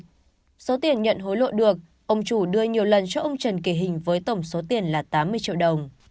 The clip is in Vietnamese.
trong số tiền nhận hối lộ được ông chủ đưa nhiều lần cho ông trần kỳ hình với tổng số tiền là tám mươi triệu đồng